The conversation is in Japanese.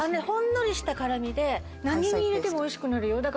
ほんのりした辛みで何に入れてもおいしくなるよ。